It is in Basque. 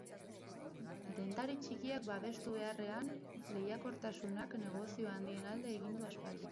Dendari txikiak babestu beharrean lehiakortasunak negozio handien alde egin du aspalditik.